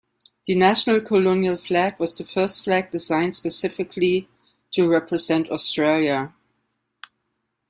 The National Colonial Flag was the first flag designed specifically to represent Australia.